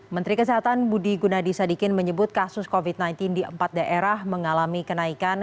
menteri kesehatan budi gunadisadikin menyebut kasus covid sembilan belas di empat daerah mengalami kenaikan